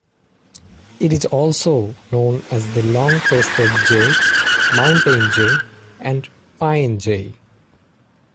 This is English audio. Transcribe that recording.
It is also known as the long-crested jay, mountain jay, and pine jay.